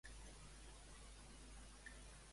Amb qui més ha tingut una quedada?